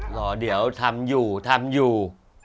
รอเดี๋ยวทำอยู่ทำอยู่